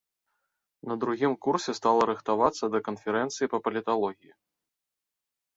На другім курсе стала рыхтавацца да канферэнцыі па паліталогіі.